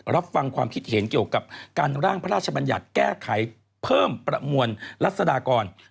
รับฟังความคิดเห็นเกี่ยวกับการร่างพระราชบัญญัติแก้ไขเพิ่มประมวลรัศดากร